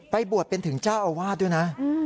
บวชเป็นถึงเจ้าอาวาสด้วยนะ